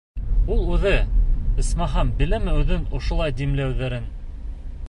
Ул үҙе, исмаһам, беләме үҙен ошолай димләүҙәрен?